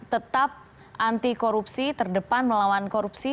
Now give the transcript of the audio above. tetap anti korupsi terdepan melawan korupsi